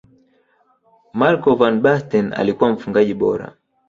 marco van basten alikuwa mfungaji bora